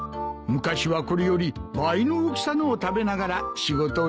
昔はこれより倍の大きさのを食べながら仕事をしたもんだ。